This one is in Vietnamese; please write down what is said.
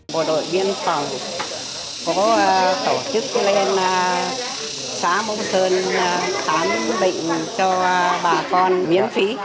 bộ đội biên phòng có tổ chức lên xá bông sơn khám định cho bà con miễn phí